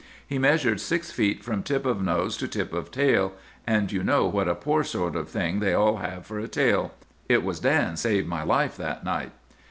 He measured six feet from tip of nose to tip of tail, and you know what a poor sort of thing they all have for a tail. It was Dan saved my life that night.